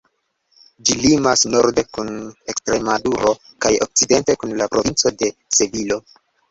Ĝi limas norde kun Ekstremaduro kaj okcidente kun la provinco de Sevilo.